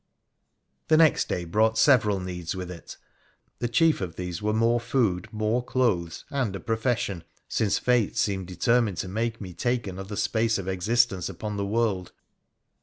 The next day brought several needs with it. The chief of these were more food, more clothes, and a profession (since fate seemed determined to make me take another space of existence upon the world).